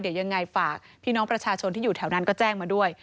เดี๋ยวยังไงฝากพี่น้องประชาชนที่อยู่แถวนั้นก็แจ้งมาด้วย